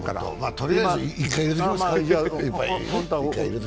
とりあえず１回入れときますか？